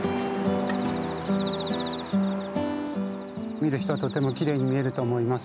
見る人は、とってもきれいに見えると思います。